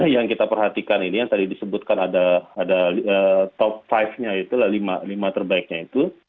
yang kita perhatikan ini yang tadi disebutkan ada top lima nya itulah lima terbaiknya itu